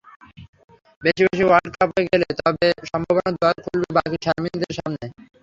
বেশি বেশি ওয়ার্ল্ড কাপে গেলে তবেই সম্ভাবনার দুয়ার খুলবে বাকি-শারমিনদের সামনে।